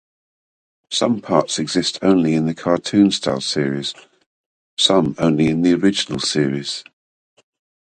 Some parts exist only in the cartoon-style series, some only in the original series.